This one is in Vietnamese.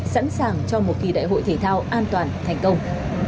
sẵn sàng cho một kỳ đại hội thể thao an toàn thành công